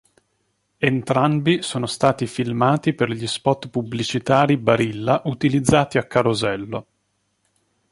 Entrambi sono stati filmati per gli spot pubblicitari Barilla utilizzati a Carosello.